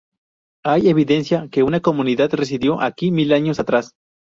Hay evidencia que una comunidad residió aquí mil años atrás.